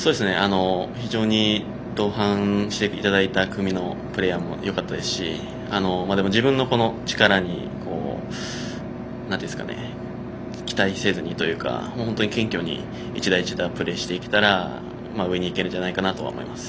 非常に同伴していただいた組のプレーヤーもよかったですし自分の力に期待せずにというか本当に謙虚に１打１打プレーしていけたら上に行けるんじゃないかなとは思います。